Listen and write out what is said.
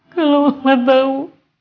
kalau mama tau